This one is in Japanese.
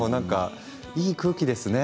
いい空気ですね。